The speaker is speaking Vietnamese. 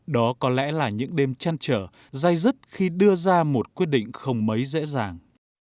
đó có lẽ là những đêm chăn trở dây dứt khi đưa ra một quyết định không mấy dễ dàng